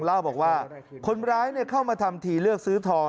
เล่าบอกว่าคนร้ายเข้ามาทำทีเลือกซื้อทอง